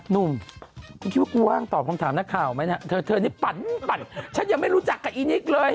หนุ่มกูคิดว่ากูว่างตอบคำถามนักข่าวไหมนะเธอนี่ปั่นฉันยังไม่รู้จักกับอีนิกเลย